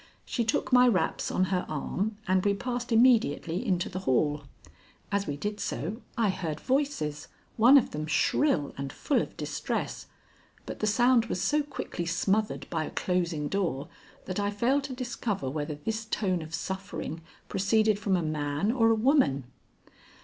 She took my wraps on her arm, and we passed immediately into the hall. As we did so, I heard voices, one of them shrill and full of distress; but the sound was so quickly smothered by a closing door that I failed to discover whether this tone of suffering proceeded from a man or a woman.